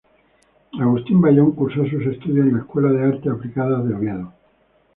Agustín Bayón cursó sus estudios en la Escuela de Artes Aplicadas de Oviedo.